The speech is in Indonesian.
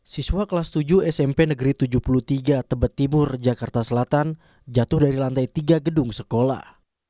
siswa kelas tujuh smp negeri tujuh puluh tiga tebet timur jakarta selatan jatuh dari lantai tiga gedung sekolah